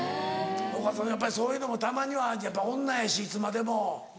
お母さんそういうのもたまにはやっぱ女やしいつまでも。